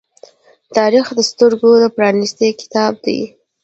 تاریخ د سترگو پرانیستی کتاب دی.